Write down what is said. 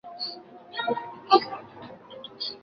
哈洛德的品牌名也用于哈洛德集团旗下的哈洛德银行。